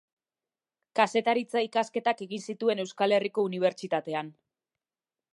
Kazetaritza ikasketak egin zituen Euskal Herriko Unibertsitatean.